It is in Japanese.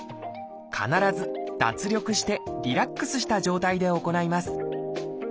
必ず脱力してリラックスした状態で行います。